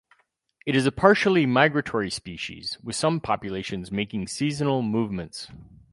It is a partially migratory species, with some populations making seasonal movements.